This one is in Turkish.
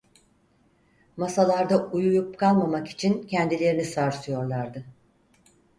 Masalarda uyuyup kalmamak için kendilerini sarsıyorlardı.